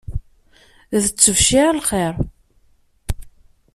D ttebcira l-lxiṛ.